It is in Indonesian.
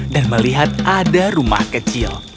dan melihat ada rumah kecil